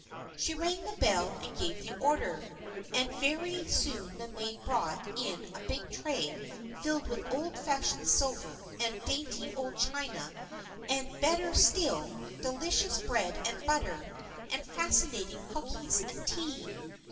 She rang the bell and gave the order, and very soon the maid brought in a big tray filled with old fashioned silver and dainty old china, and, bet ter still, delicious bread and butter and fascinating cookies, and tea.